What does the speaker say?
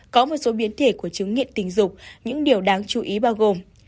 có một số biến thể của chứng nghiện tình dục những điều đáng chú ý bao gồm